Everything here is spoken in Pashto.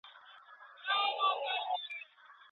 که مشورې وسي کورنی ژوند به خوښ وي.